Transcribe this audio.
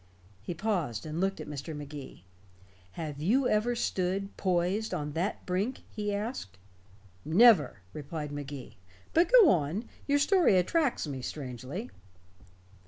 He paused and looked at Mr. Magee. "Have you ever stood, poised, on that brink?" he asked. "Never," replied Magee. "But go on. Your story attracts me, strangely."